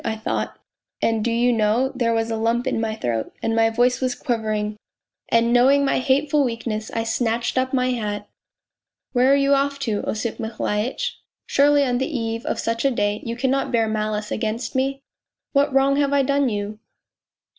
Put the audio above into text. ' I thought ; and do you know, there was a lump in my throat, and my voice was quivering, and knowing my hateful weakness, I snatched up my hat. ' Where are you off to, Osip Mihailitch ? Surely on the eve of such a day you cannot bear malice against me ? What wrong have I done you ?..